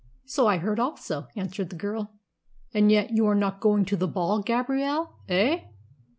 "So I heard also," answered the girl. "And yet you are not going to the ball, Gabrielle, eh?"